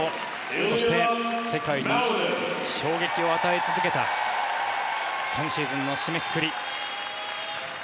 そして世界に衝撃を与え続けた今シーズンの締めくくり。